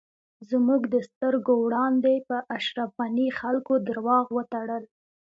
زموږ د سترږو وړاندی په اشرف غنی خلکو درواغ وتړل